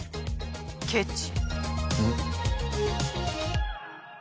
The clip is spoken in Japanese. ケチ！